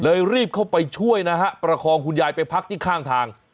รีบเข้าไปช่วยนะฮะประคองคุณยายไปพักที่ข้างทาง